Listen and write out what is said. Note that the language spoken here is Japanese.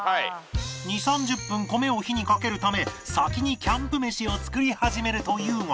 ２０３０分米を火にかけるため先にキャンプ飯を作り始めるというが